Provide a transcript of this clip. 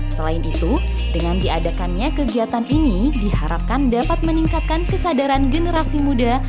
selain itu dengan diadakannya kegiatan ini diharapkan dapat meningkatkan kesadaran generasi muda